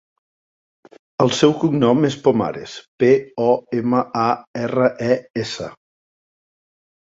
El seu cognom és Pomares: pe, o, ema, a, erra, e, essa.